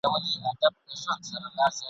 د پردي ملا په خوله به خلک نه سي غولېدلای !.